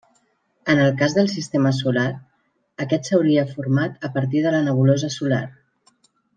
En el cas del sistema solar, aquest s'hauria format a partir de la nebulosa solar.